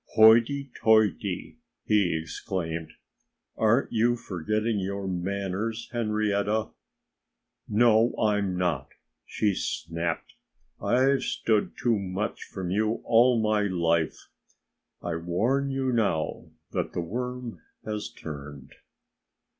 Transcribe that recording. "Hoity toity!" he exclaimed. "Aren't you forgetting your manners, Henrietta?" "No, I'm not!" she snapped. "I've stood too much from you all my life. I warn you now that the worm has turned."